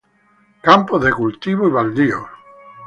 Campos de cultivo y baldíos.